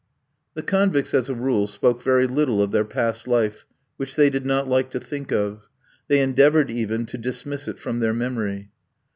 The convicts, as a rule, spoke very little of their past life, which they did not like to think of. They endeavoured, even, to dismiss it from their memory.